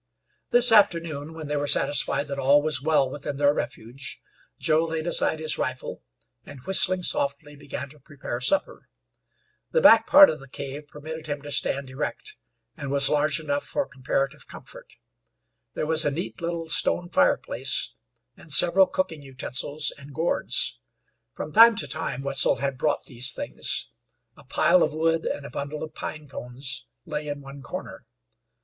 This afternoon, when they were satisfied that all was well within their refuge, Joe laid aside his rifle, and, whistling softly, began to prepare supper. The back part of the cave permitted him to stand erect, and was large enough for comparative comfort. There was a neat, little stone fireplace, and several cooking utensils and gourds. From time to time Wetzel had brought these things. A pile of wood and a bundle of pine cones lay in one corner.